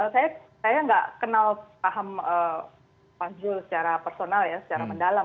saya nggak kenal paham pak zul secara personal ya secara mendalam